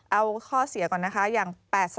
เอาข้อเสียก่อนนะคะอย่าง๘๒